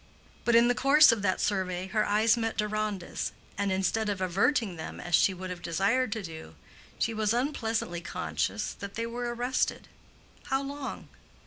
But in the course of that survey her eyes met Deronda's, and instead of averting them as she would have desired to do, she was unpleasantly conscious that they were arrested—how long?